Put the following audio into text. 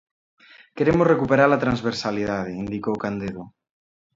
Queremos recuperar a transversalidade, indicou Candedo.